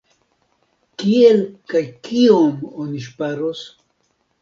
Kiel kaj kiom oni ŝparos?